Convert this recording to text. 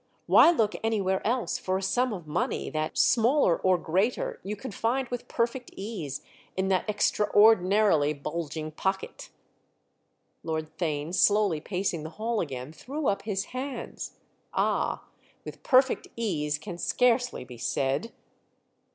Why look anywhere else for a sum of money that—smaller or greater—you can find with perfect ease in that extraordinarily bulging pocket?" Lord Theign, slowly pacing the hall again, threw up his hands. "Ah, with 'perfect ease' can scarcely be said!"